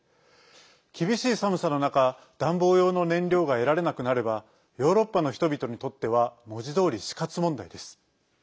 厳しい寒さの中暖房用の燃料が得られなくなればヨーロッパの人々にとっては文字どおり死活問題です。